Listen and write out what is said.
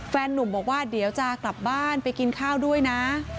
นุ่มบอกว่าเดี๋ยวจะกลับบ้านไปกินข้าวด้วยนะ